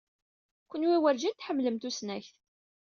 Kenwi werǧin tḥemmlem tusnakt.